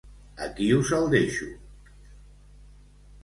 Aquí us el deixo!